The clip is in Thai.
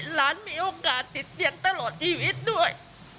หลานมีโอกาสติดเตียงตลอดชีวิตด้วย